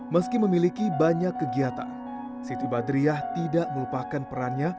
meski memiliki banyak kegiatan siti badriah tidak melupakan perannya